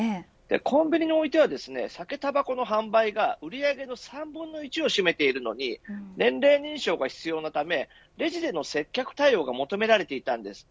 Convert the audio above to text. コンビニにおいては酒やたばこの販売が売り上げの３分の１を占めているのに年齢認証が必要なためレジでの接客対応が求められていたんです。